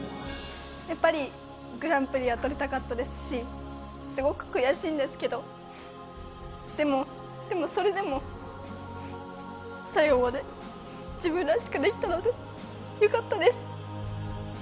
やっぱりグランプリは取りたかったですしすごく悔しいんですけどでも、でも、それでも最後まで自分らしくできたのでよかったです。